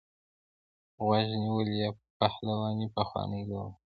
غیږ نیول یا پهلواني پخوانۍ لوبه ده.